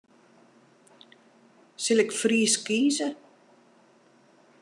Sil ik Frysk kieze?